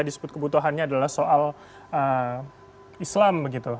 disebut kebutuhannya adalah soal islam begitu